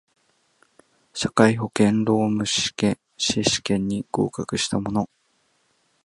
社会保険労務士試験に合格した者